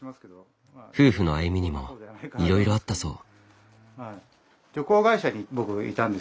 夫婦の歩みにもいろいろあったそう。